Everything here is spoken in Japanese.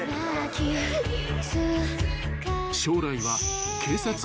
［将来は］